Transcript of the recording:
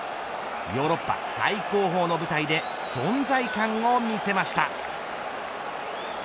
ヨーロッパ最高峰の舞台で存在感を見せました。